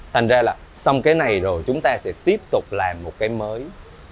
thành ra là xong cái này rồi chúng ta sẽ tiếp tục làm một cái mới